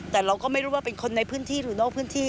แต่เราก็ไม่รู้ว่าเป็นคนในพื้นที่หรือนอกพื้นที่